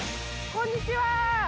こんにちは。